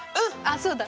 そうだ！